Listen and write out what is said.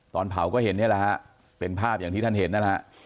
ตอนเผาก็เห็นนี่แหละฮะเป็นภาพอย่างที่ท่านเห็นนะฮะ